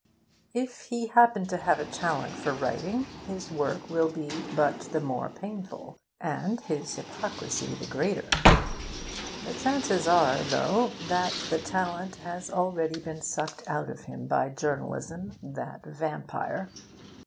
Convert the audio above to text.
If he happen to have a talent for writing, his work will be but the more painful, and his hypocrisy the greater. The chances are, though, that the talent has already been sucked out of him by Journalism, that vampire.